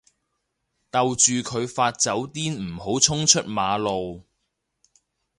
逗住佢發酒癲唔好衝出馬路